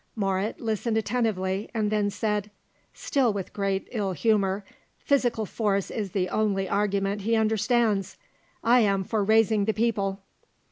Moret listened attentively and then said, still with great ill humour, "Physical force is the only argument he understands. I am for raising the people."